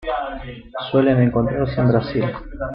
Suelen encontrarse en Brasil.